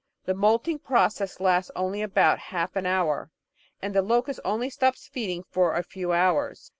The moulting process lasts only about half an hour, and the locust only stops feeding for a few hours.